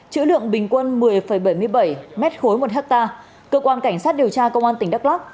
chữ lượng bình quân một mươi bảy mươi bảy m ba một hectare cơ quan cảnh sát điều tra công an tỉnh đắk lắc